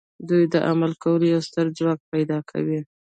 دوی د عمل کولو یو ستر ځواک پیدا کوي